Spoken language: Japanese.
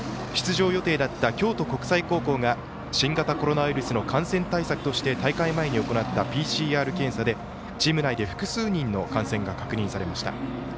出場予定だった京都国際高校が新型コロナウイルスの感染対策として大会前に行ったＰＣＲ検査でチーム内で複数人の感染が確認されました。